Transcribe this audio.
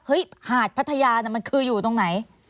หาดพัทยาน่ะมันคืออยู่ตรงไหน